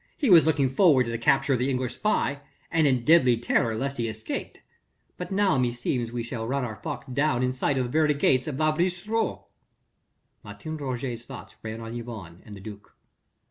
"He was looking forward to the capture of the English spy, and in deadly terror lest he escaped. But now meseems that we shall run our fox down in sight of the very gates of la Villestreux." Martin Roget's thoughts ran on Yvonne and the duc.